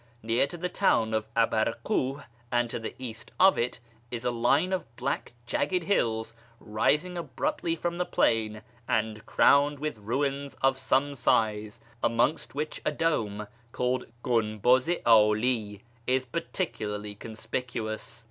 Near to the town of Abarkuh, and to the east of it, is a line of black jagged hills, rising abruptly from the plain, and crowned with ruins of some size, amongst which a dome called Gunbuz i 'Ali is particularly conspicuous.